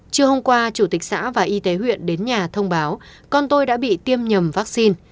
trưa hôm qua chủ tịch xã và y tế huyện đến nhà thông báo con tôi đã bị tiêm nhầm vaccine